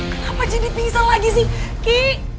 kenapa jadi pisau lagi sih ki